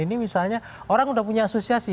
ini misalnya orang sudah punya asosiasi